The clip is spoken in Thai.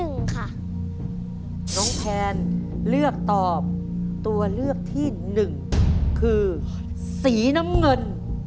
น้องแพนเลือกตอบตัวเลือกที่หนึ่งคือสีน้ำเงิน